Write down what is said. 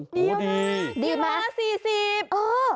โอ้โฮดีดีมากกิโลกรัมละ๔๐บาทโอ้โฮ